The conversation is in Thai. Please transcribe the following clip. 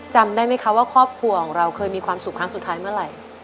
จำได้ไหมคะว่าครอบครัวของเราเคยมีความสุขครั้งสุดท้ายเมื่อไหร่